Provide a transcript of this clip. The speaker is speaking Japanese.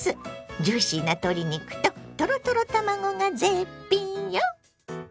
ジューシーな鶏肉とトロトロ卵が絶品よ！